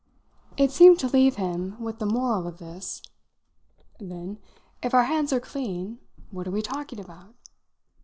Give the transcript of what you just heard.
It seemed to leave him with the moral of this. "Then, if our hands are clean, what are we talking about?"